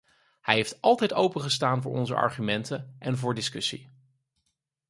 Hij heeft altijd open gestaan voor onze argumenten en voor discussie.